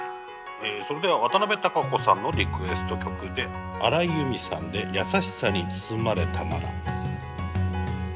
それではワタナベタカコさんのリクエスト曲で荒井由実さんで「やさしさに包まれたなら」。